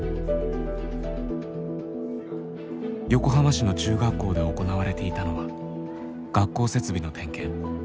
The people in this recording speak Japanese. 横浜市の中学校で行われていたのは学校設備の点検。